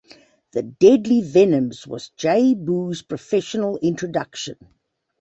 The Deadly Venoms was J-Boo's professional introduction.